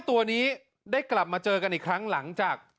ตัวนี้ได้กลับมาเจอกันอีกครั้งหลังจาก